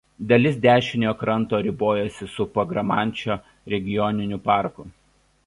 Dalis dešiniojo kranto ribojasi su Pagramančio regioniniu parku.